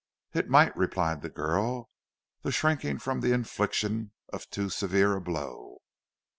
"It might," replied the girl, the shrinking from the infliction of too severe a blow.